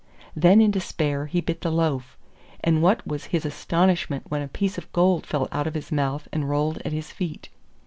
Then in despair he bit the loaf, and what was his astonishment when a piece of gold fell out of his mouth and rolled at his feet.